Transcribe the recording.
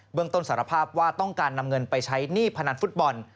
เรื่องต้นสารภาพว่าต้องการนำเงินไปใช้หนี้พนันฟุตบอล